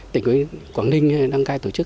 tỉnh quảng ninh đang gai tổ chức